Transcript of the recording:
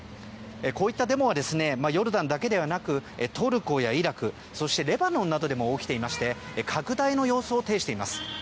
こういったデモはヨルダンだけではなくトルコやイラクレバノンなどでも起きていまして拡大の様相を呈しています。